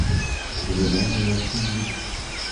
Живемо, як і люди!